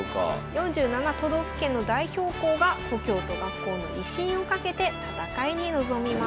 ４７都道府県の代表校が故郷と学校の威信を懸けて戦いに臨みます。